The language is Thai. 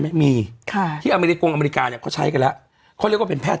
ไหมมีค่ะที่อเมริกาเนี่ยเขาใช้กันล่ะเขาเรียกว่าเป็นแพทย์